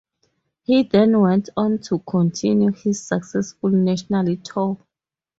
He then went on to continue his successful national tour.